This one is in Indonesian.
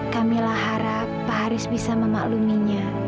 kamilah harap pak haris bisa memakluminya